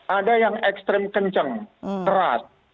ada yang ekstrim kenceng keras